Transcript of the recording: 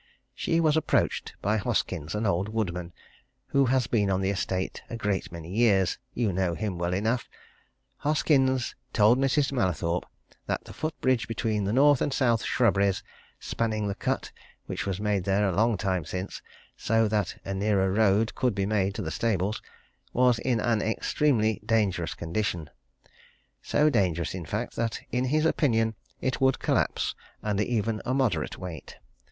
She was approached by Hoskins, an old woodman, who has been on the estate a great many years you know him well enough. Hoskins told Mrs. Mallathorpe that the foot bridge between the north and south shrubberies, spanning the cut which was made there a long time since so that a nearer road could be made to the stables, was in an extremely dangerous condition so dangerous, in fact, that in his opinion, it would collapse under even a moderate weight.